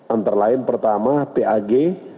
antara lain pertama pag